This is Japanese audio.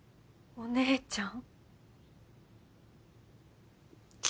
お姉ちゃん？